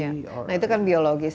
nah itu kan biologis